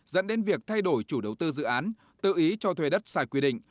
dẫn đến việc thay đổi chủ đầu tư dự án tự ý cho thuê đất sai quy định